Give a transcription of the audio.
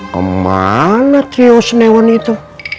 kemana trio senewan itu